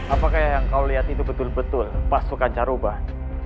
apakah yang kau lihat itu betul betul pasukan carobah